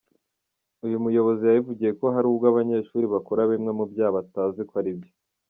Uyu muyobozi yabivugiye ko hari ubwo abanyeshuri bakora bimwe mu byaha batazi ko aribyo.